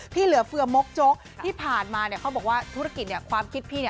ที่เหลือเฟือมกโจ๊กที่ผ่านมาเขาบอกว่าธุรกิจความคิดพี่เนี่ย